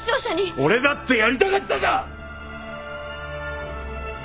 俺だってやりたかったさ！